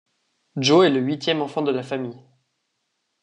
Joe est le huitième enfant de la famille.